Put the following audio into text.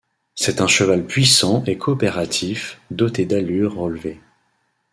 C'est un cheval puissant et coopératif, doté d'allures relevées.